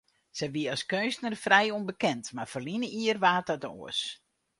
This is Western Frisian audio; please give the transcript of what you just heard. Sy wie as keunstner frij ûnbekend, mar ferline jier waard dat oars.